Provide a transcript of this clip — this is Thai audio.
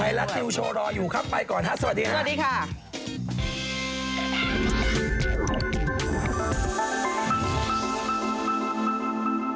ใครรักดิวโชว์รออยู่ครับไปก่อนฮะสวัสดีค่ะ